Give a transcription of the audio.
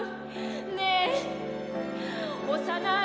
「ねえ幼い？